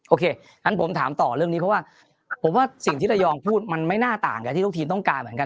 โอเคงั้นผมถามต่อเรื่องนี้เพราะว่าผมว่าสิ่งที่ระยองพูดมันไม่น่าต่างกับที่ทุกทีมต้องการเหมือนกัน